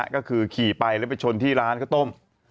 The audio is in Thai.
ก็คือขี่ไปแล้วไปชนที่ร้านข้าวต้ม